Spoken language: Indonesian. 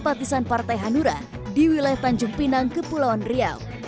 pertama dikonsistenan perhubungan dan perhubungan partai hanura di wilayah tanjung pinang kepulauan riau